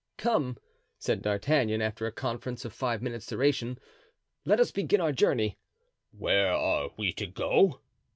"Come," said D'Artagnan, after a conference of five minutes' duration, "let us begin our journey." "Where are we to go?"